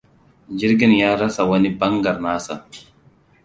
Jirgin ya rasa wani bangar nasa.